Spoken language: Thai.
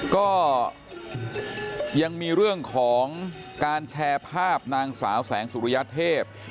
ก็ยังมีเรื่องของการแชร์ภาพนางสาวแสงสุริยเทพ